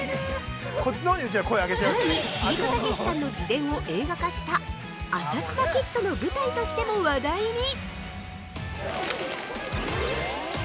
さらにビートたけしさんの自伝を映画化した「浅草キッド」の舞台としても話題に！